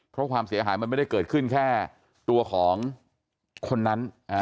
เพราะความเสียหายมันไม่ได้เกิดขึ้นแค่ตัวของคนนั้น